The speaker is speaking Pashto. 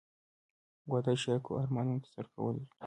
• واده د شریکو ارمانونو ترسره کول دي.